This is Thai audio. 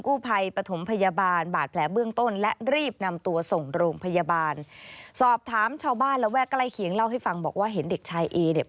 เข้าบ้านแล้วแวะไกลเขียงเล่าให้ฟังบอกว่าเห็นเด็กชายเอเนี่ย